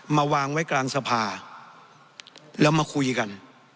มาวางไว้กลางสภาแล้วมาคุยกัน